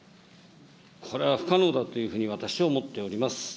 これは不可能だっていうふうに私は思っております。